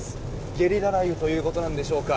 ゲリラ雷雨ということなんでしょうか。